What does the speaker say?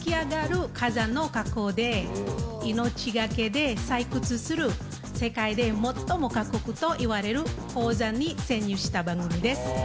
火山の火口で命懸けで採掘する世界で最も過酷といわれる鉱山に潜入した番組です。